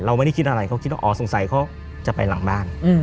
ไม่ได้คิดอะไรเขาคิดว่าอ๋อสงสัยเขาจะไปหลังบ้าน